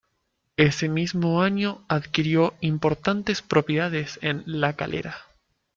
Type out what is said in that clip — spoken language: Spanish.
Ese mismo año adquirió importantes propiedades en La Calera.